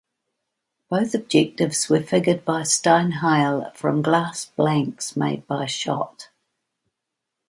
Both objectives were figured by Steinheil from glass blanks made by Schott.